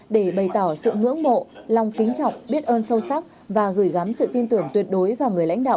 để bày tỏ sự ngưỡng mộ lòng kính trọng biết ơn sâu sắc và gửi gắm sự tin tưởng tuyệt đối vào người lãnh đạo